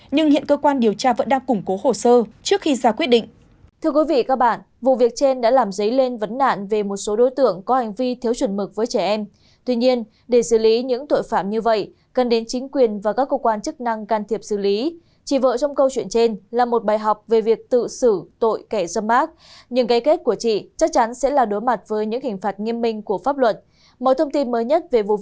nhưng hiện cơ quan điều tra vẫn đang củng cố hồ sơ trước khi ra quyết định